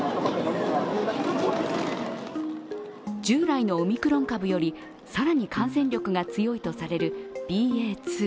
従来のオミクロン株より更に感染力が強いとされるＢＡ．２。